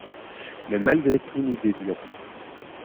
Mais malgré tout nous dévierons.